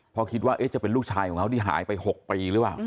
เพราะคิดว่าจะเป็นลูกชายของเขาที่หายไป๖ปีหรือเปล่า